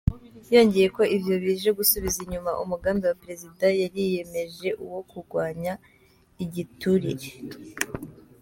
Yongeyeko ko ivyo bije gusubiza inyuma umugambi wa prezida yari yiyemeje wo kugwanya igiturire.